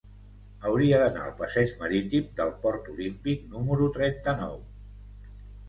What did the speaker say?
Hauria d'anar al passeig Marítim del Port Olímpic número trenta-nou.